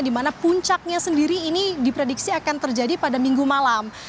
di mana puncaknya sendiri ini diprediksi akan terjadi pada minggu malam